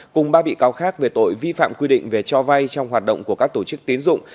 cùng ba bị cáo khác về tội vi phạm quy định về cho vay trong hoạt động của các tổ chức tiến dụng